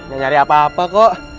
gak nyari apa apa kok